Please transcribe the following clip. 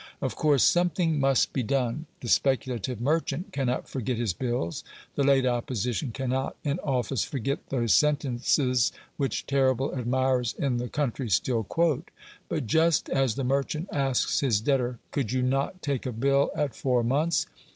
Of course, something must be done; the speculative merchant cannot forget his bills; the late Opposition cannot, in office, forget those sentences which terrible admirers in the country still quote. But just as the merchant asks his debtor, "Could you not take a bill at four months?"